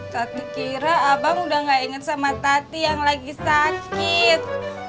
tati kira abang udah gak inget sama tati yang lagi sakit